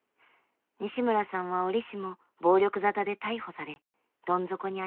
西村さんは折しも暴力沙汰で逮捕されどん底にありました。